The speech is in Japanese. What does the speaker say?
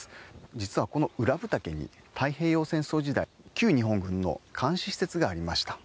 実はこの宇良部岳に太平洋戦争時代旧日本軍の監視施設がありました。